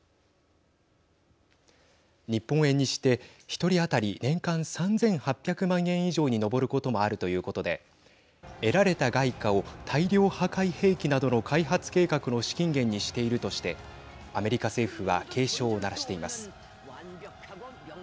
日本円にして１人当たり年間３８００万円以上に上ることもあるということで得られた外貨を大量破壊兵器などの開発計画の資金源にしているとしてアメリカ政府は警鐘を鳴らしています。